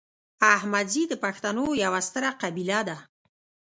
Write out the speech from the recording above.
احمدزي د پښتنو یوه ستره قبیله ده